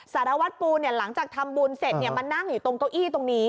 สารวัตรปูหลังจากทำบุญเสร็จมานั่งอยู่ตรงเก้าอี้ตรงนี้